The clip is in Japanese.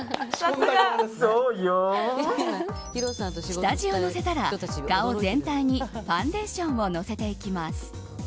下地をのせたら、顔全体にファンデーションをのせていきます。